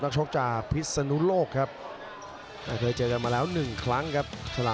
นักชงในมุมน้ำเงิน